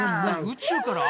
宇宙から？